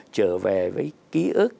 trở về với ký ức